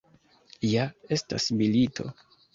Ja estas milito!